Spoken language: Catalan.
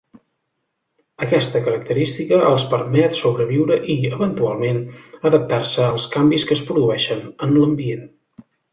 Aquesta característica els permet sobreviure i, eventualment, adaptar-se als canvis que es produeixen en l'ambient.